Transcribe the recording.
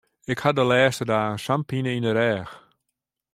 Ik ha de lêste dagen sa'n pine yn de rêch.